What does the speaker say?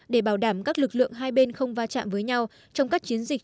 để bảo đảm các lực lượng hai bên không va chạm với nhau trong các chiến dịch